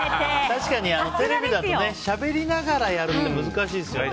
確かにテレビだとしゃべりながらやるって難しいですよね。